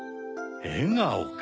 えがおか！